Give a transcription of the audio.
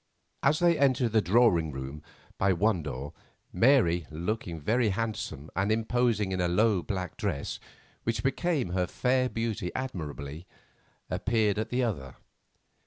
As they entered the drawing room by one door, Mary, looking very handsome and imposing in a low black dress, which became her fair beauty admirably, appeared at the other.